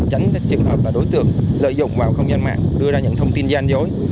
tránh trường hợp là đối tượng lợi dụng vào không gian mạng đưa ra những thông tin gian dối